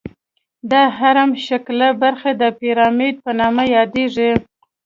دا هرم شکله برخې د پیرامید په نامه یادیږي.